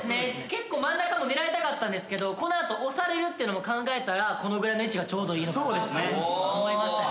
結構真ん中も狙いたかったんですけどこの後押されるっていうのも考えたらこのぐらいの位置がちょうどいいのかなと思いました。